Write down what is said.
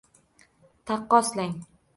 Taqqoslang: